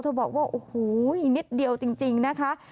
บอกว่าโอ้โหนิดเดียวจริงนะคะ